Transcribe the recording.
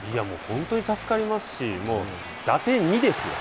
本当に助かりますし打点２ですよ。